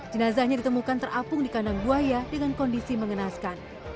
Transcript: jenazahnya ditemukan terapung di kandang buaya dengan kondisi mengenaskan